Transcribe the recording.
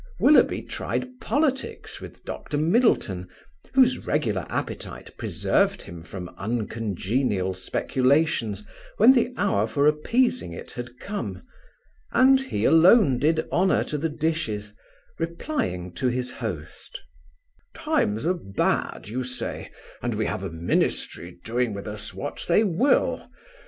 Willoughby tried politics with Dr. Middleton, whose regular appetite preserved him from uncongenial speculations when the hour for appeasing it had come; and he alone did honour to the dishes, replying to his host: "Times are bad, you say, and we have a Ministry doing with us what they will.